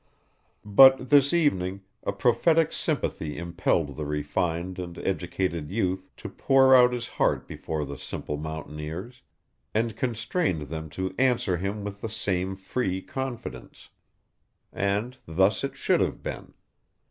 But this evening a prophetic sympathy impelled the refined and educated youth to pour out his heart before the simple mountaineers, and constrained them to answer him with the same free confidence. And thus it should have been.